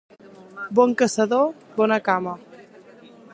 Bon caçador, bona cama.